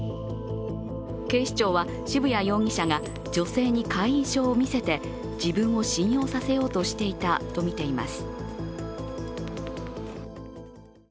警視庁は渋谷容疑者が女性に会員証を見せて自分を信用させようとしていたとみています。